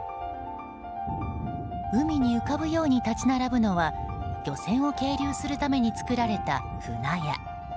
海に浮かぶように立ち並ぶのは漁船を係留するために作られた舟屋。